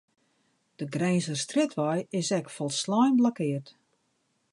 De Grinzerstrjitwei is ek folslein blokkeard.